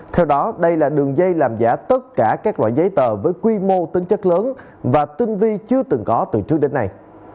theo đó đây là đường dây làm giả tất cả các loại giấy tờ với quy mô tính chất lớn và tinh vi chưa từng có từ trước đến nay